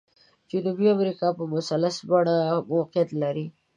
جنوبي امریکا په مثلث په بڼه موقعیت لري.